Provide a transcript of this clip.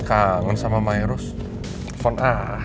jangan lupa vryk dokter